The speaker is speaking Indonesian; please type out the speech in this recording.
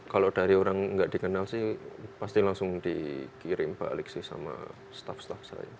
kalau dari orang nggak dikenal sih pasti langsung dikirim balik sih sama staff staff saya